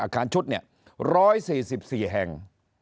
อาคารชุดเนี่ย๑๔๔แห่ง